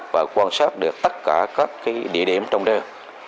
và quan sát được tất cả các địa điểm trong đêm